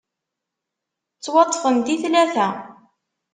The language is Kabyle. Ttwaṭṭfent i tlata.